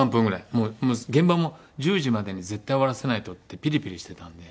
もう現場も１０時までに絶対終わらせないとってピリピリしてたんで。